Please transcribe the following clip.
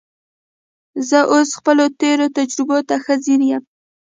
زه اوس خپلو تېرو تجربو ته ښه ځیر یم